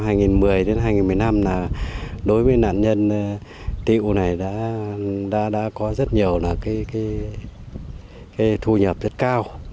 từ năm hai nghìn một mươi đến năm hai nghìn một mươi năm là đối với nạn nhân tiểu này đã có rất nhiều là cái thu nhập rất cao